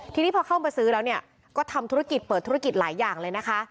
ทีนี้พอเข้ามาซื้อแล้วเนี่ยก็ทำธุรกิจเปิดธุรกิจหลายอย่างเลยนะคะ